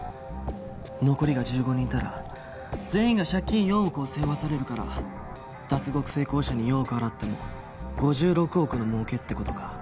残りが１５人いたら全員が借金４億を背負わされるから脱獄成功者に４億払っても５６億の儲けって事か。